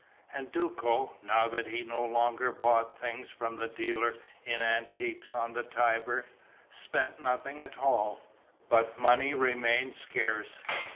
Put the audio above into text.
And Duco, now that he no longer bought things from the dealer in antiques on the Tiber, spent nothing at all. But money remained scarce.